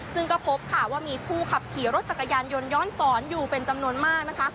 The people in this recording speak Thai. ซึ่งก็พบค่ะว่ามีผู้ขับขี่รถจักรยานยนต์ย้อนสอนอยู่เป็นจำนวนมากนะคะ